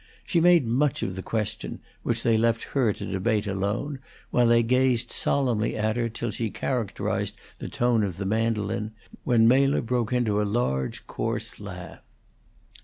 She made much of the question, which they left her to debate alone while they gazed solemnly at her till she characterized the tone of the mandolin, when Mela broke into a large, coarse laugh.